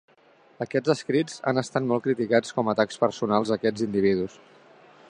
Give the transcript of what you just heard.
Aquests escrits han estat molt criticats com a atacs personals a aquests individus.